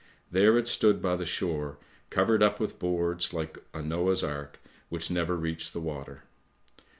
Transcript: There it stood by the shore covered up with boards, like a Noah's Ark which never reached the water.